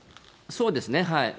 そうですね。